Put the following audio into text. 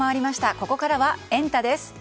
ここからはエンタ！です。